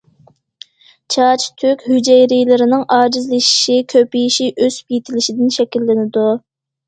چاچ تۈك ھۈجەيرىلىرىنىڭ ئاجىزلىشىشى، كۆپىيىشى، ئۆسۈپ يېتىلىشىدىن شەكىللىنىدۇ.